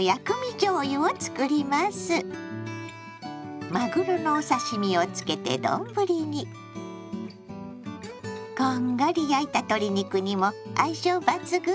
まぐろのお刺身をつけて丼にこんがり焼いた鶏肉にも相性抜群よ。